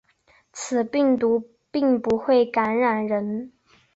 此病毒并不会感染人。